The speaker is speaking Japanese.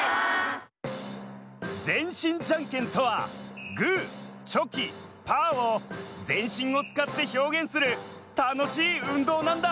全身じゃんけんとはグーチョキパーを全身をつかってひょうげんするたのしい運動なんだ！